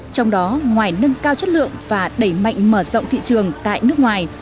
trong đó ngoài nâng cao chất lượng và đẩy mạnh mở rộng thị trường tại nước ngoài